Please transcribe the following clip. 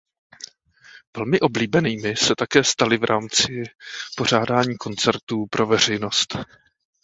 Velmi oblíbenými se také staly v rámci pořádání koncertů pro veřejnost.